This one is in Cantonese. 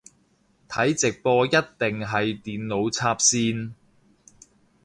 睇直播一定係電腦插線